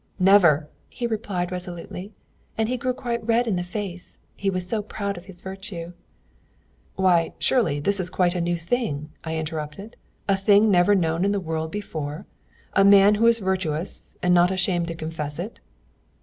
"'Never!' he replied resolutely. And he grew quite red in the face. He was so proud of his virtue." "Why surely this is quite a new thing?" I interrupted "a thing never known in the world before: a man who is virtuous, and not ashamed to confess it?"